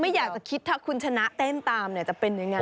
อยากจะคิดถ้าคุณชนะเต้นตามเนี่ยจะเป็นยังไง